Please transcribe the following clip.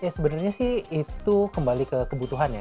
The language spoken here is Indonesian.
sebenarnya sih itu kembali ke kebutuhan ya